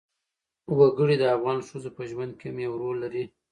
وګړي د افغان ښځو په ژوند کې هم یو رول لري.